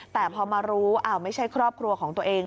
แต่พอมารู้ไม่ใช่ครอบครัวของตัวเอง